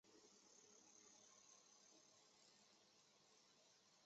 国王温坎在法国殖民者的保护下逃往暹罗。